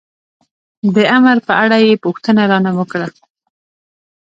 د امر په اړه یې پوښتنه را نه وکړه.